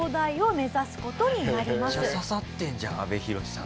めっちゃ刺さってるじゃん阿部寛さん。